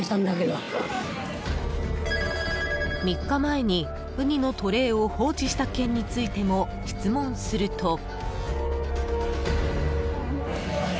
３日前に、ウニのトレーを放置した件についても質問すると。